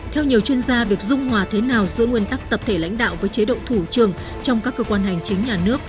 theo nhiều chuyên gia việc dung hòa thế nào giữa nguyên tắc tập thể lãnh đạo với chế độ thủ trường trong các cơ quan hành chính nhà nước